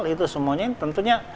itu semuanya tentunya